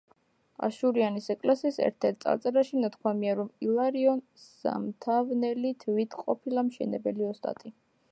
აშურიანის ეკლესიის ერთ-ერთ წარწერაში ნათქვამია, რომ ილარიონ სამთავნელი თვით ყოფილა მშენებელი ოსტატი.